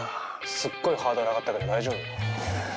すっごいハードル上がったけど大丈夫？